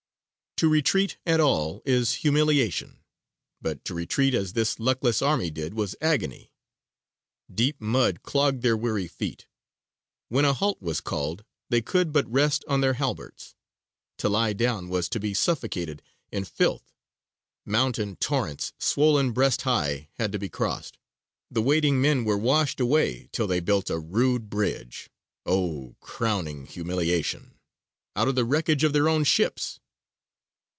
To retreat at all is humiliation, but to retreat as this luckless army did was agony. Deep mud clogged their weary feet; when a halt was called they could but rest on their halberts, to lie down was to be suffocated in filth; mountain torrents swollen breast high had to be crossed, the wading men were washed away till they built a rude bridge O crowning humiliation! out of the wreckage of their own ships.